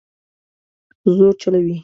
زور چلوي